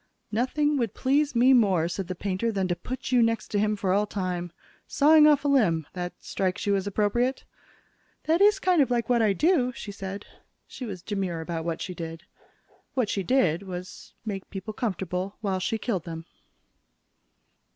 "Nothing would please me more," said the painter, "than to put you next to him for all time. Sawing off a limb that strikes you as appropriate?" "That is kind of like what I do," she said. She was demure about what she did. What she did was make people comfortable while she killed them.